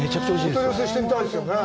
お問い合わせしてみたいですよね。